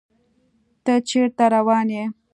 تۀ چېرته روان يې ؟